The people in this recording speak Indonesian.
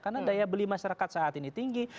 karena daya beli masyarakat saat ini tinggi